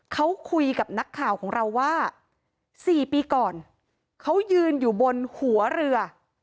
เขาคุยกับนักข่าวของเราว่า๔ปีก่อนเขายืนอยู่บนหัวเรือ